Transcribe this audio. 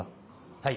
はい。